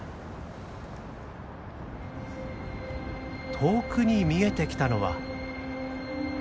遠くに見えてきたのは。